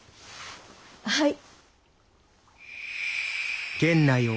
はい。